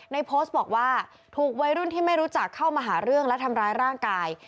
โพสต์บอกว่าถูกวัยรุ่นที่ไม่รู้จักเข้ามาหาเรื่องและทำร้ายร่างกาย